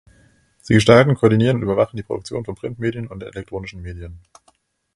Sie gestalten, koordinieren und überwachen die Produktion von Printmedien und elektronischen Medien.